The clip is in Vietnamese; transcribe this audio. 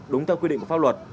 đúng theo quy định của pháp luật